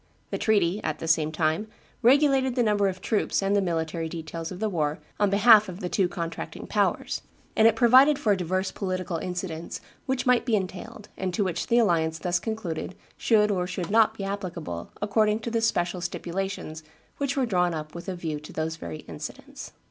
The treaty, at the same time, regulated the number of troops and the military details of the war on behalf of the two contracting powers, and it provided for divers political incidents which might be entailed, and to which the alliance thus concluded should or should not be applicable according to the special stipulations which were drawn up with a view to those very incidents.